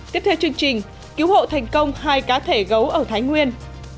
tiếp theo chương trình cứu hộ thành công hai cá thể gấu ở thái nguyên